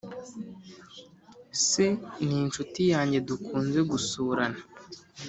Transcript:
se ni inshuti yange dukunze gusurana